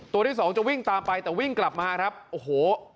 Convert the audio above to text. ที่สองจะวิ่งตามไปแต่วิ่งกลับมาครับโอ้โห